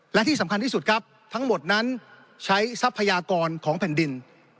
และที่สำคัญที่สุดครับทั้งหมดนั้นใช้ทรัพยากรของแผ่นดิน